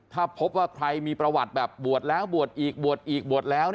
ถ้าพบว่าใครมีประวัติแบบบวชแล้วบวชอีกบวชอีกบวชแล้ว